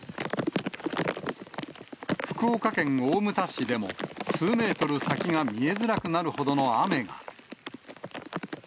福岡県大牟田市でも、数メートル先が見えづらくなるほどの雨が。